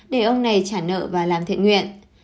để ông này trả nợ và làm thiện nguyện